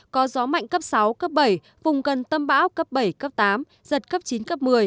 có gió mạnh cấp sáu cấp bảy vùng gần tâm bão cấp bảy cấp tám giật cấp chín cấp một mươi